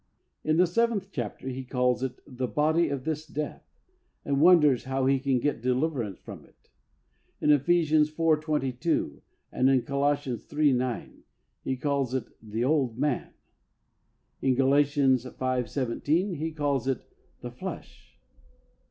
In the seventh chapter he calls it " the body of this death " and wonders how he can get deliverance from it. In Ephesians iv.. 22, and in Colossians iii. 9, he calls it "the old man." In Galatians v. 17, he calls it "the flesh."